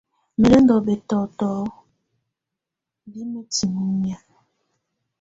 Mɛ̀ lɛ̀ ndù bɛtɔtɔ bɛ mǝtinǝ́ nɛ̀á.